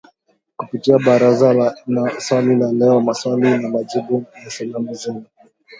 kupitia Barazani na Swali la Leo Maswali na Majibu na Salamu Zenu